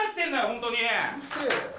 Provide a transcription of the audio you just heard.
ホントに！